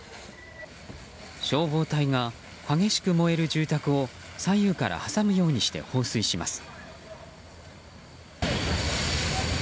消防隊が激しく燃える住宅を左右から挟むようにして放水します。